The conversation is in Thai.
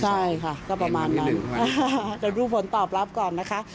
ใช่ค่ะก็ประมาณนั้นแต่ดูผลตอบรับก่อนนะคะ